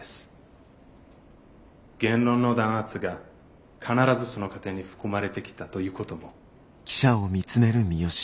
言論の弾圧が必ずその過程に含まれてきたということも。